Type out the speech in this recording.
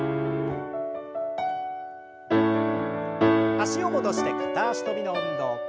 脚を戻して片脚跳びの運動。